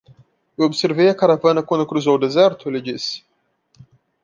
"Eu observei a caravana quando cruzou o deserto?" ele disse.